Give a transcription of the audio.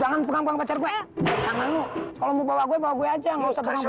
jangan pegang pegang pacar gue jangan lo kalau mau bawa gue bawa gue aja nggak usah pegang pegang